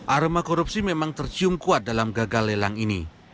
arma korupsi memang tercium kuat dalam gagal ilang ini